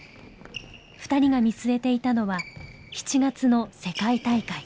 ２人が見据えていたのは７月の世界大会。